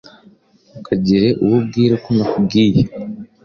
Ntukagire uwo ubwira ko nakubwiye